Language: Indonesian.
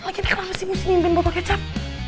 lagi ini kamu sih ngusinin bumbu kecap